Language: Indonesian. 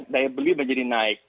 daya beli menjadi naik